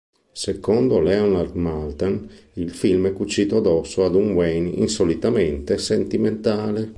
Secondo Leonard Maltin il film è "cucito addosso ad un Wayne insolitamente sentimentale".